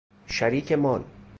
شریک مال